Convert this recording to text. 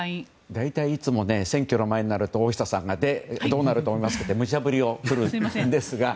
いつも選挙の前になると大下さんがどうなると思いますかって無茶ぶりをするんですが。